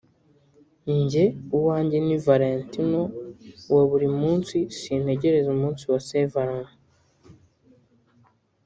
njye uwanjye ni Valentino wa buri munsi sintegereza umunsi wa Saint Valentin”